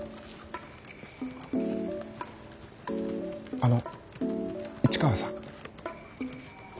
あの市川さん。